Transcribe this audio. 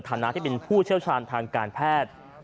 ฐานะที่เป็นผู้เชี่ยวชาญทางการแพทย์